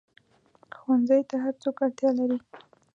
ښوونځی ته هر څوک اړتیا لري